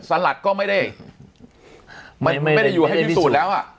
สันหลัดก็ไม่ได้ไม่ไม่ได้อยู่ให้พิสูจน์แล้วอ่ะ